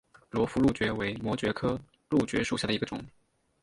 罗浮蕗蕨为膜蕨科蕗蕨属下的一个种。